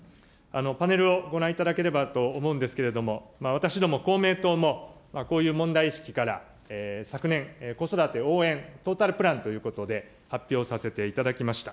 パネルをご覧いただければと思うんですけれども、私ども、公明党も、こういう問題意識から、昨年、子育て応援トータルプランということで発表させていただきました。